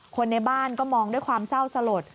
คนในบ้านก็มองด้วยความเศร้าสลด